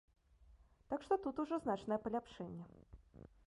Так што тут ужо значнае паляпшэнне.